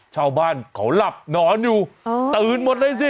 ชาวบ้านเขาหลับนอนอยู่ตื่นหมดเลยสิ